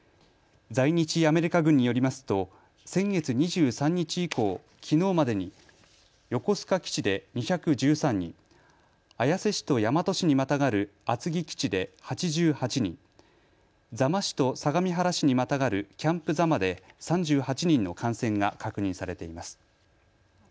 在日アメリカ軍によりますと先月２３日以降、きのうまでに横須賀基地で２１３人、綾瀬市と大和市にまたがる厚木基地で８８人、座間市と相模原市にまたがるキャンプ座間で３８人の感染が確認されています。